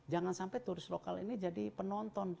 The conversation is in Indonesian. jangan sampai turis lokal ini jadi penonton